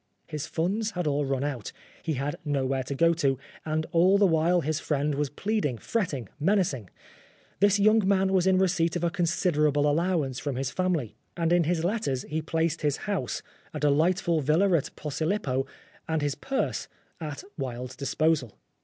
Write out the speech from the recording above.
His funds had all run out, he had nowhere to go to, and all the while his friend was plead ing, fretting, menacing. This young man was in receipt of a considerable allowance from his family, and in his letters he placed 249 Oscar Wilde his house, a delightful villa at Posilippo, and his purse at Wilde's disposal.